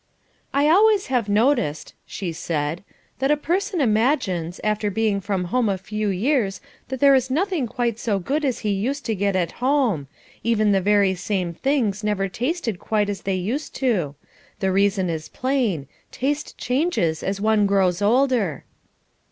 "I always have noticed," she said, "that a person imagines, after being from home a few years that there is nothing quite so good as he used to get at home; even the very same things never tasted quite as they used to. The reason is plain: taste changes as one grows older."